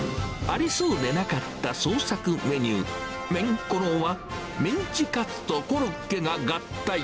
ありそうでなかった創作メニュー、メンコロは、メンチカツとコロッケが合体。